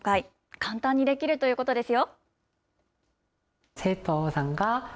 簡単にできるということですよ。